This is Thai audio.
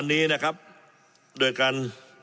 วันนี้นะครับด้วยกัน